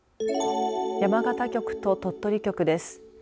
山形局と鳥取局です。